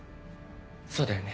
そうだよね。